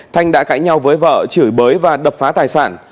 thanh đã cãi nhau với vợ chửi bới và đập phá tài sản